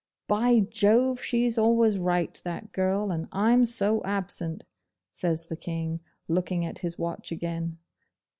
'By Jove! she's always right, that girl, and I'm so absent,' says the King, looking at his watch again.